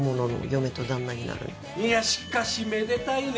いや、しかし、めでたいね！